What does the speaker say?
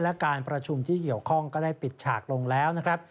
และการประชุมที่เกี่ยวข้องก็ได้ปิดฉากลงแล้วนะครับ